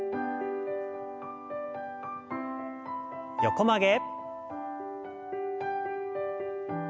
横曲げ。